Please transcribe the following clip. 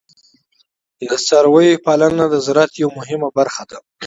د څارویو پالنه د زراعت یوه مهمه برخه ده.